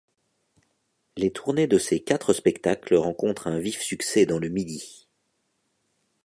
Les tournées de ces quatre spectacles rencontrent un vif succès dans le Midi.